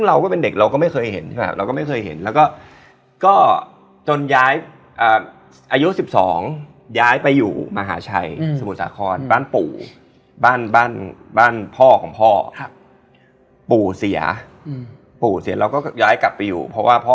แต่เราก็หลังจากนั้นเรารู้แล้วก็แบบ